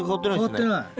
変わってない